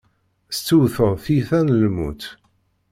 Tettewteḍ tiyita n lmut.